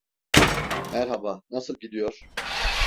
Merhaba, nasıl gidiyor?